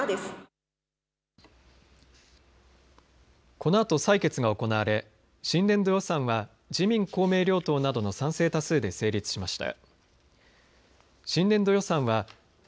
このあと採決が行われ新年度予算は自民公明両党などの賛成多数で成立しました。